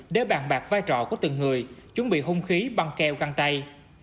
để bàn bạc vai trò của từng người chuẩn bị hung khí băng keo găng tay